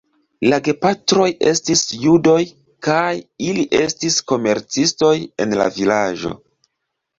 La gepatroj estis judoj kaj ili estis komercistoj en la vilaĝo.